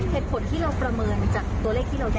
เหตุผลที่เราประเมินจากตัวเลขที่เราแจ้ง